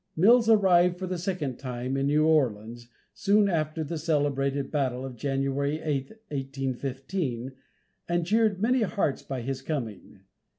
Mills arrived for the second time in New Orleans, soon after the celebrated battle of January 8, 1815, and cheered many hearts by his coming.